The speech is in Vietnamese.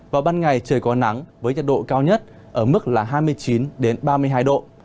vào ban ngày trời có nắng với nhiệt độ cao nhất ở mức là hai mươi chín ba mươi hai độ